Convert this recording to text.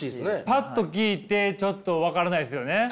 パッと聞いてちょっと分からないですよね。